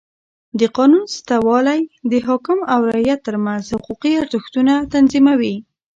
د قانون سته والى د حاکم او رعیت ترمنځ حقوقي ارزښتونه تنظیموي.